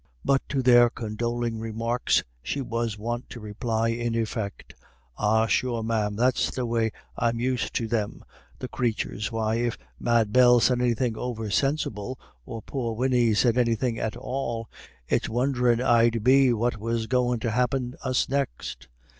But to their condoling remarks she was wont to reply in effect "Ah sure, ma'am, that's the way I'm used to them, the crathurs. Why, if Mad Bell said anythin' over sinsible, or poor Winnie said anythin' at all, it's wond'rin' I'd be what was goin' to happin us next."